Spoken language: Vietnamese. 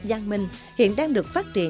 gian minh hiện đang được phát triển